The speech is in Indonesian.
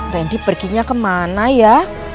randy perginya kemana ya